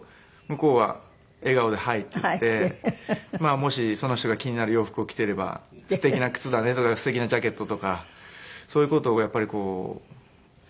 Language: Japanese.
向こうは笑顔で「ハーイ」って言ってもしその人が気になる洋服を着てれば「すてきな靴だね」とか「すてきなジャケット」とかそういう事をやっぱりふと言ってくれるので。